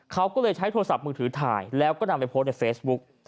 เขาก็เลยใช้โทรศัพท์มือถือถ่ายแล้วก็นำไปโพสต์ในเฟซบุ๊ก